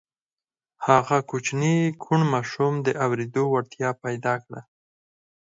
هغه کوچني کوڼ ماشوم د اورېدو وړتيا پيدا کړه.